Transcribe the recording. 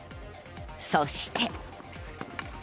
そして。